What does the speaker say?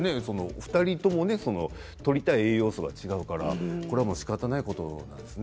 ２人ともねとりたい栄養素が違うからしかたないことですよね。